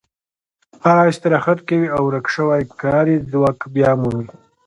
هغه استراحت کوي او ورک شوی کاري ځواک بیا مومي